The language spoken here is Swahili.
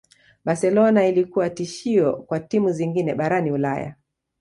Barcelona ilikuwa tishio kwa timu zingine barani ulaya